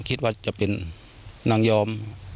คิดว่าจะเป็นนางยอม